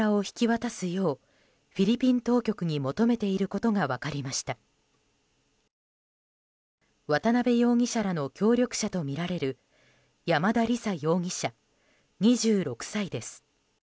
渡邉容疑者らの協力者とみられる山田李沙容疑者、２６歳です。